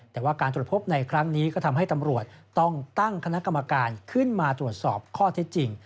แต่ว่าการตรวจพบในครั้งนี้ก็ทำให้ตำรวจต้องตั้งคณะกรรมการขึ้นมาตรวจสอบข้อเท็จจริง